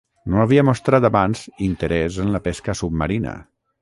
No havia mostrat abans interès en la pesca submarina.